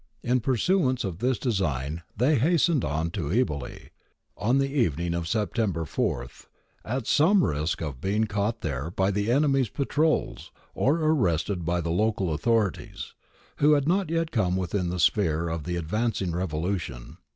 In pur suance of this design they hastened on to Eboh on the evening of September 4, at some risk of being caught there by the enemy's patrols or arrested by the local authorities, who had not yet come within the sphere of the advancing revolution.